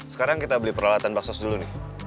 sekarang kita beli peralatan baksos dulu nih